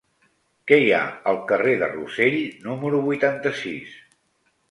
Què hi ha al carrer de Rossell número vuitanta-sis?